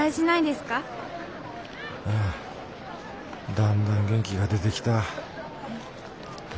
だんだん元気が出てきた。